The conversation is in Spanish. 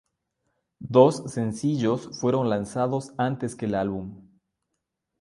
Dos sencillos fueron lanzados antes que el álbum.